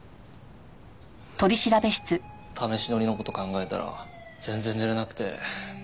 試し乗りの事考えたら全然寝れなくて。